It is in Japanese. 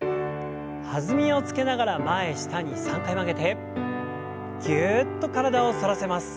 弾みをつけながら前下に３回曲げてぎゅっと体を反らせます。